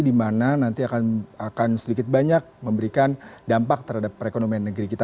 di mana nanti akan sedikit banyak memberikan dampak terhadap perekonomian negeri kita